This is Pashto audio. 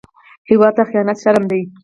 هېواد ته خيانت شرم دی